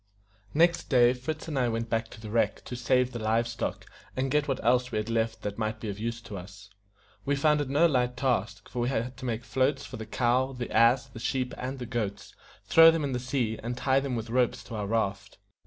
Next day Fritz and I went back to the wreck to save the live stock, and get what else we had left that might be of use to us. We found it no light task, for we had to make floats for the cow, the ass, the sheep, and the goats, throw them in the sea, and tie them with ropes to our raft.